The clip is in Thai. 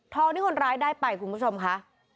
ที่คนร้ายได้ไปคุณผู้ชมค่ะ